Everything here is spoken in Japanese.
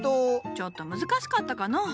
ちょっと難しかったかのう。